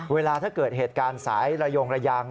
เวลาถ้าเกิดเหตุการณ์สายระยงระยาง